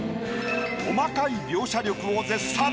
細かい描写力を絶賛。